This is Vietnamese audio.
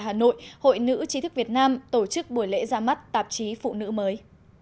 hội nữ trí thức việt nam tổ chức buổi lễ ra mắt tạp chí phụ nữ mới